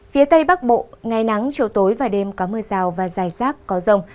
phía tây bắc bộ ngày nắng chiều tối và đêm có mưa rào và dài rác có rông